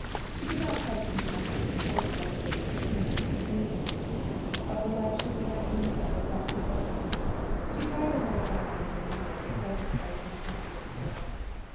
She could not help contrasting the coarse, rough ways at home with the smoothness and softness of the life she had had a glimpse of at Dr. Bodkin's. She tried to hold fast in her memory the pleasant sights and sounds of the day.